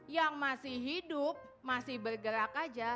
yang masih hidup masih bergerak aja